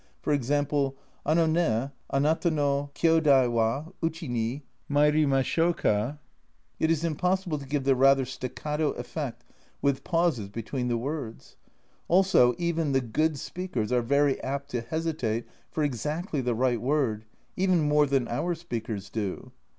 g. 78 A Journal from Japan "Ano ne anata no kiodai wa uchi ni mairimasho ka." It is impossible to give the rather staccato effect with pauses between the words. Also, even the good speakers are very apt to hesitate for exactly the right word, even more than our speakers do.